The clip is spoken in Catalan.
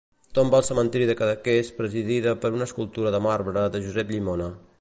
Tomba al cementiri de Cadaqués presidida per una escultura de marbre de Josep Llimona.